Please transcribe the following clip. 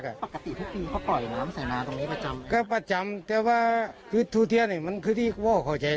ปกติทุกปีเขาปล่อยน้ำสามารถตรงนี้ประจำก็ประจำแต่ว่าคือทุทธิฯเนี่ยมันคือที่โหย